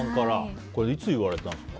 これはいつ言われたんですか。